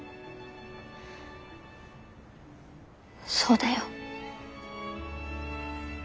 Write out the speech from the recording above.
そうだよ。